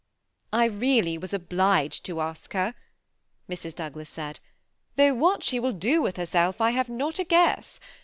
*<I really was obUged to ask her," Mrs. Douglas said ;^' though what she will do with herself I have not a guess.